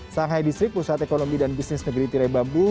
sangai distrik pusat ekonomi dan bisnis negeri tirebabu